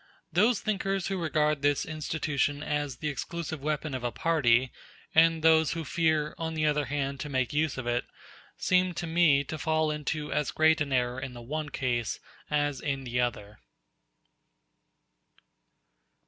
Those thinkers who regard this institution as the exclusive weapon of a party, and those who fear, on the other hand, to make use of it, seem to me to fall into as great an error in the one case as in the other.